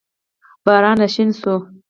باران راشین شو